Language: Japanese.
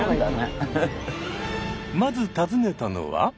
まず訪ねたのは。